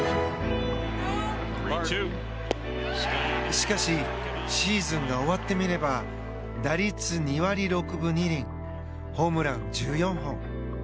しかしシーズンが終わってみれば打率２割６分２厘ホームラン１４本。